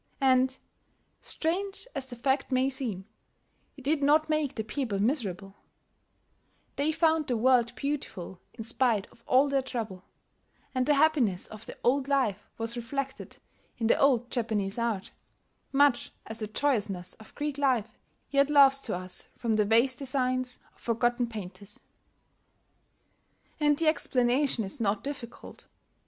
And strange as the fact may seem it did not make the people miserable: they found the world beautiful in spite of all their trouble; and the happiness of the old life was reflected in the old Japanese art, much as the joyousness of Greek life yet laughs to us from the vase designs of forgotten painters. And the explanation is not difficult.